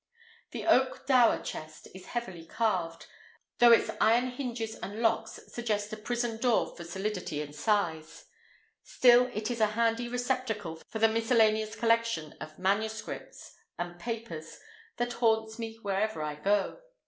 The oak dower chest is heavily carved, though its iron hinges and locks suggest a prison door for solidity and size; still it is a handy receptacle for the miscellaneous collection of MSS. and papers that haunts me wherever I go!